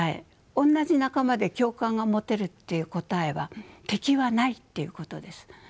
おんなじ仲間で共感が持てるっていう答えは敵はないっていうことです。